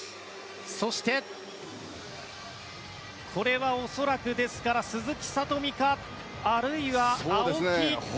そして、これは恐らく鈴木聡美かあるいは青木か。